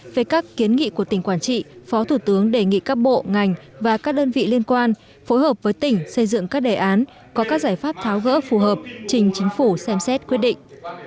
về các kiến nghị của tỉnh quảng trị phó thủ tướng đề nghị các bộ ngành và các đơn vị liên quan phối hợp với tỉnh xây dựng các đề án có các giải pháp tháo gỡ phù hợp trình chính phủ xem xét quyết định